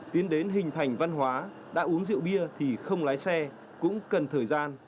tiến đến hình thành văn hóa đã uống rượu bia thì không lái xe cũng cần thời gian